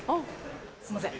すいません。